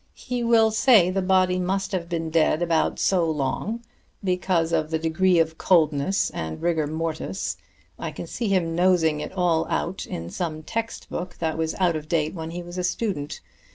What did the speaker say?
He will say the body must have been dead about so long, because of the degree of coldness and rigor mortis. I can see him nosing it all out in some text book that was out of date when he was a student.